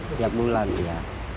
setiap bulan ya